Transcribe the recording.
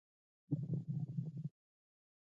معاش ته انتظار کوونکی مامور څوک دی؟